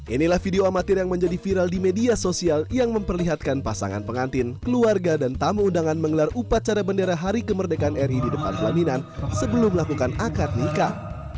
inilah video amatir yang menjadi viral di media sosial yang memperlihatkan pasangan pengantin keluarga dan tamu undangan mengelar upacara bendera hari kemerdekaan ri di depan pelaminan sebelum melakukan akad nikah